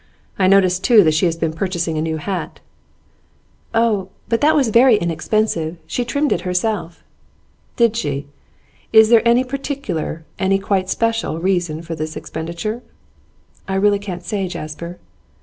I notice, too, that she has been purchasing a new hat.' 'Oh, that was very inexpensive. She trimmed it herself.' 'Did she? Is there any particular, any quite special, reason for this expenditure?' 'I really can't say, Jasper.